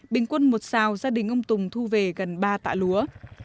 bình quân một xào gia đình ông tùng thu về gần ba tạ lúa